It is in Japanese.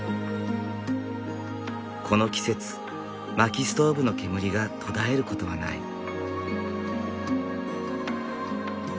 この季節薪ストーブの煙が途絶えることはない。